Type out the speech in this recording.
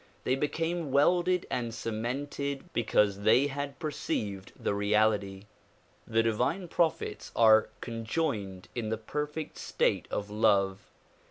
They became welded and cemented because they had perceived the reality. The divine prophets are conjoined in the perfect state of love.